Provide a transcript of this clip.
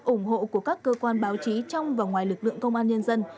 ủng hộ của các cơ quan báo chí trong và ngoài lực lượng công an nhân dân